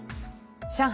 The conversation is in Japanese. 上海